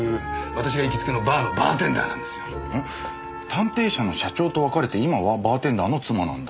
探偵社の社長と別れて今はバーテンダーの妻なんだ。